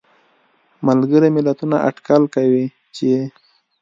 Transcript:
ملګري ملتونه اټکل کوي چې